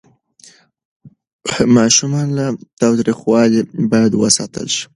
ماشومان له تاوتریخوالي باید وساتل شي.